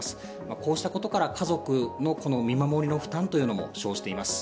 こうしたことから、家族の見守りの負担というのも生じています。